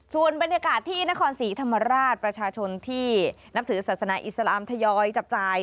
ส่วนบรรยากาศที่นครศรีธรรมราชประชาชนที่นับถือศาสนาอิสลามทยอยจับจ่าย